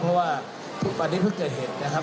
เพราะว่าทุกวันนี้เพิ่งเกิดเหตุนะครับ